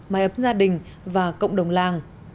mãi ấp gia đình và cộng đồng làng